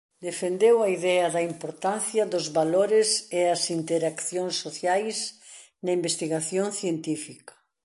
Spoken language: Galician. Defendeu a idea da importancia dos valores e as interaccións sociais na investigación científica.